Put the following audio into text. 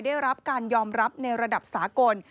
ได้รับการยอมรับในระดับสากล